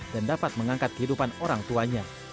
dan dapat mengangkat kehidupan orang tuanya